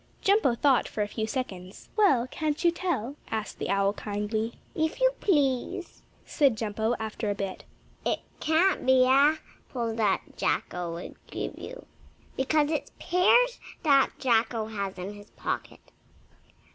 Jumpo thought for a few seconds. "Well, can't you tell?" asked the owl kindly. "If you please," said Jumpo, after a bit, "it can't be apples that Jacko would give you, because it's pears that Jacko has in his pocket.